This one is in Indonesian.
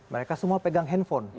mereka semua pegang handphone